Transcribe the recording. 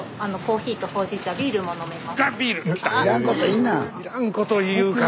スタジオいらんこと言うから。